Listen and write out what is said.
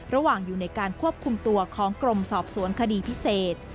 ระหว่างอยู่ในการควบคุมตัวของกรมสอบสวนคดีพิเศษ